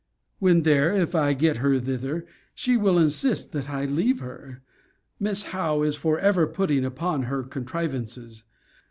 When there, (if I get her thither,) she will insist that I leave her. Miss Howe is for ever putting her upon contrivances.